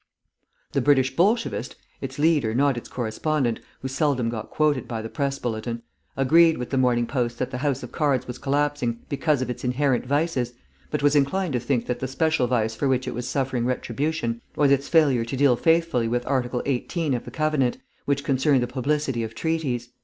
The British Bolshevist (its leader, not its correspondent, who seldom got quoted by the Press Bulletin) agreed with the Morning Post that the house of cards was collapsing because of its inherent vices, but was inclined to think that the special vice for which it was suffering retribution was its failure to deal faithfully with Article 18 of the Covenant, which concerned the publicity of treaties.